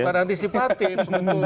bukan antisipatif sebetulnya